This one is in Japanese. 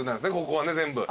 ここはね全部。